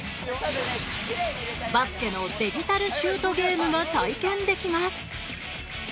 バスケのデジタルシュートゲームが体験できます。